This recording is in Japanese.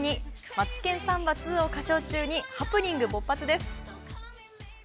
「マツケンサンバⅡ」を歌唱中にハプニング勃発です。